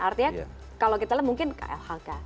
artinya kalau kita mungkin lhk